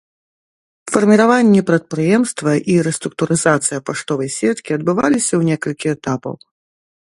Фарміраванне прадпрыемства і рэструктурызацыя паштовай сеткі адбываліся ў некалькі этапаў.